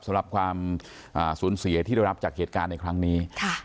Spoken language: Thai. สำหรับความสูญเสียที่ได้รับจากเหตุการณ์ในครั้งนี้